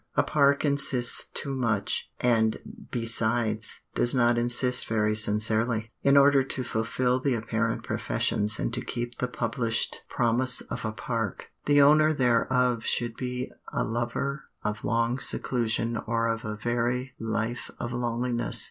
A park insists too much, and, besides, does not insist very sincerely. In order to fulfil the apparent professions and to keep the published promise of a park, the owner thereof should be a lover of long seclusion or of a very life of loneliness.